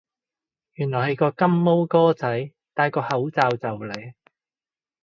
原來係個金毛哥仔戴個口罩就嚟